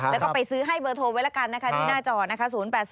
แล้วก็ไปซื้อให้เบอร์โทรไว้แล้วกันนะคะที่หน้าจอนะคะ